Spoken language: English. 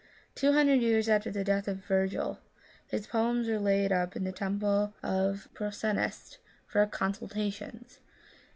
Two hundred years after the death of Virgil, his poems were laid up in the temple at Proeneste, for consultations.